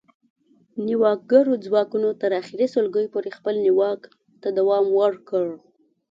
نیواکګرو ځواکونو تر اخري سلګۍ پورې خپل نیواک ته دوام ورکړ